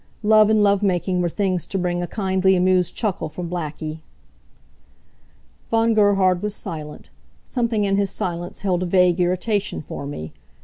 Love and love making were things to bring a kindly, amused chuckle from Blackie." Von Gerhard was silent. Something in his silence held a vague irritation for me.